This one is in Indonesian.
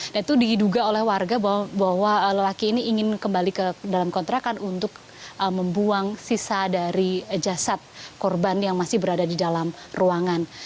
dan itu diduga oleh warga bahwa lelaki ini ingin kembali ke dalam kontrakan untuk membuang sisa dari jasad korban yang masih berada di dalam ruangan